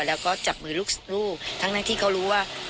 แล้วก็จับมือลูกทั้งที่เขารู้ว่า